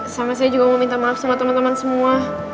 sama saya juga mau minta maaf sama teman teman semua